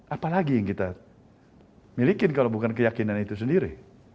apalagi yang kita miliki kalau bukan keyakinan itu sendiri